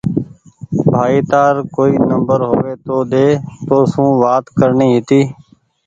ڀآئي تآر ڪوئي نمبر هووي تو تونٚ سون وآت ڪرڻي هيتي